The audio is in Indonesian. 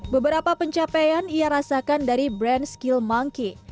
beberapa pencapaian ia rasakan dari brand skill monkey